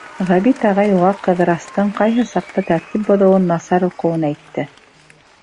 Ғәбит ағай уға Ҡыҙырастың ҡайһы саҡта тәртип боҙоуын, насар уҡыуын әйтте.